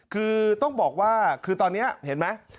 คือต้องบอกว่าคือตอนนี้เห็นไหม